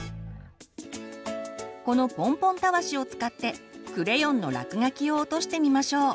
このポンポンたわしを使ってクレヨンの落書きを落としてみましょう。